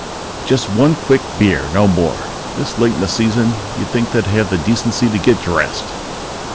But just one quick beer, no more. This late in the season you'd think they'd have the decency to get dressed!